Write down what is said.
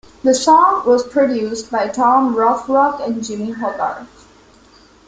The song was produced by Tom Rothrock and Jimmy Hogarth.